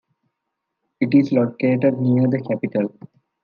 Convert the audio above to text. It is located near the capital.